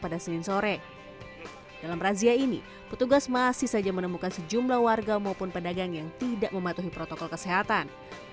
dalam razia ini petugas masih saja menemukan sejumlah warga maupun pedagang yang tidak mematuhi protokol kesehatan